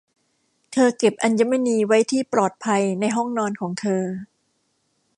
เธอเก็บอัญมณีไว้ที่ปลอดภัยในห้องนอนของเธอ